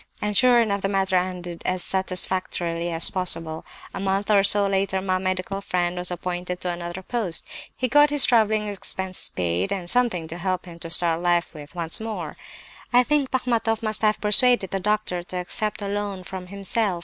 "And sure enough the matter ended as satisfactorily as possible. A month or so later my medical friend was appointed to another post. He got his travelling expenses paid, and something to help him to start life with once more. I think Bachmatoff must have persuaded the doctor to accept a loan from himself.